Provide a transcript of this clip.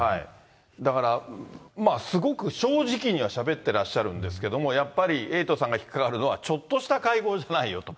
だから、すごく正直にはしゃべってらっしゃるんですけれども、やっぱりエイトさんがひっかかるのは、ちょっとした会合じゃないよと。